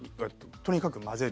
とにかく混ぜる。